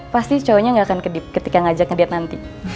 pasti cowoknya gak akan kedip ketika ngajak ngediat nanti